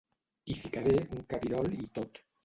Hi ficaré un cabirol i tot.